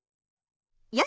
よし！